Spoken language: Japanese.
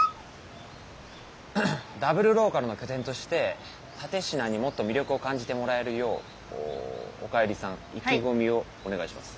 ダブルローカルの拠点として蓼科にもっと魅力を感じてもらえるようおかえりさん意気込みをお願いします。